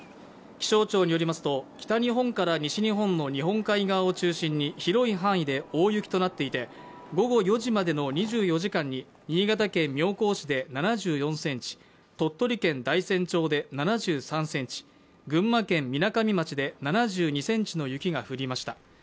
気象庁によりますと、北日本から西日本の日本海側を中心に広い範囲で大雪となっていて、午後４時までの２４時間に新潟県妙高市で７４ｃｍ鳥取県大山町で７３ｃｍ、群馬県みなかみ町で７２ｃｍの雪が降りました。